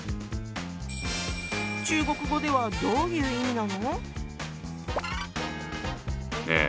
中国語ではどういう意味なの？